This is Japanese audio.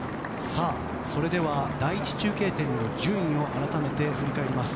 それでは、第１中継点の順位を改めて振り返ります。